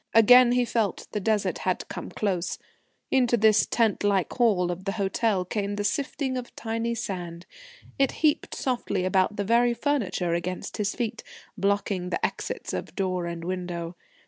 Again he felt the Desert had come close. Into this tent like hall of the hotel came the sifting of tiny sand. It heaped softly about the very furniture against his feet, blocking the exits of door and window.